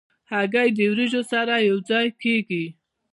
هګۍ د وریجو سره یو ځای کېږي.